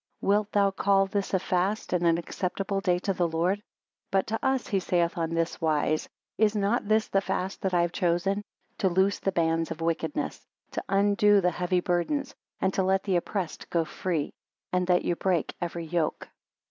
Wilt thou call this a fast, and an acceptable day to the Lord? 16 But to us he saith on this wise: Is not this the fast that I have chosen, to loose the bands of wickedness, to undo the heavy burdens, and to let the oppressed go free: and that ye break every yoke?